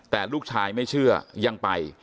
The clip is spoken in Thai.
แต่ลูกชายไม่เชื่อยังไป